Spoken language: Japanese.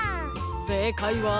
せいかいは。